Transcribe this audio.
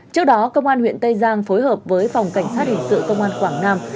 trước đó công an huyện tây giang phối hợp với phòng cảnh sát hình sự công an quảng nam